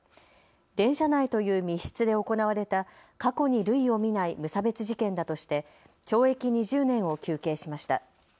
電車内という密室で行われた過去に類を見ない無差別事件だとして懲役２０年を求刑しました。